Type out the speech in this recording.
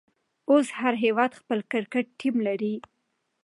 اوس هر هيواد خپل کرکټ ټيم لري.